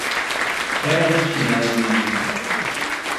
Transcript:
Pega meu chinelo menina.